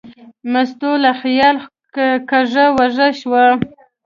مستو له خیاله کږه وږه شوه.